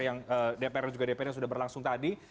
yang sudah berlangsung tadi